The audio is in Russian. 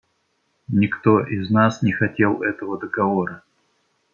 Никто из нас не хотел этого договора.